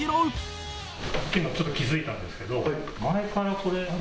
今ちょっと気付いたんですけど。